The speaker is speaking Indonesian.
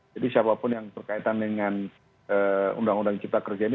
jadi siapapun yang berkaitan dengan ee undang undang cipta kerja ini